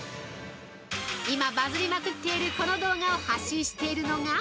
今バズりまくっているこの動画を発信しているのが◆